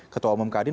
ketua umum kadin